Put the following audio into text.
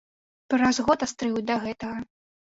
Праз год астыў і да гэтага.